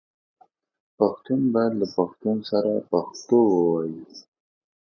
پښتون باید له پښتون سره پښتو ووايي